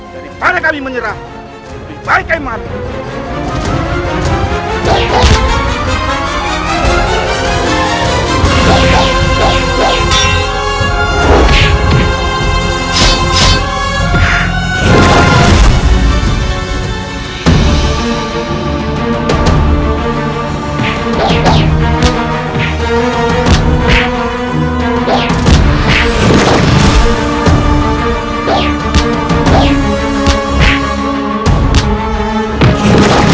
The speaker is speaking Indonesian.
daripada kami menyerah lebih baik kami mati